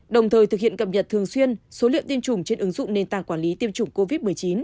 đồng thời thực hiện cập nhật thường xuyên số liệu tiêm chủng trên ứng dụng nền tảng quản lý tiêm chủng covid một mươi chín